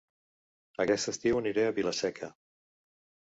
Aquest estiu aniré a Vila-seca